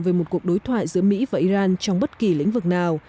về một cuộc đối thoại giữa mỹ và iran trong bất kỳ lĩnh vực nào